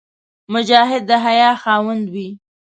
مجاهد د حیا خاوند وي.